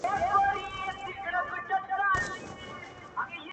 رمې دي د هغه وې اې شپنې د فريادي وې_